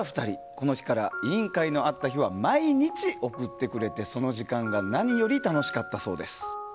この日から委員会のあった日は毎日送ってくれてその時間が何より楽しかったそうです。